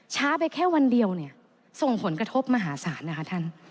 ช้าไปแค่วันเดียวเนี่ยส่งผลกระทบมหาศาลนะคะท่าน